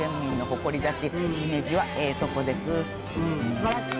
すばらしい！